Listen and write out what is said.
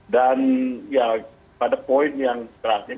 dan ya pada poin yang terakhir